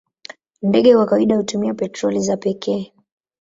Ndege kwa kawaida hutumia petroli za pekee.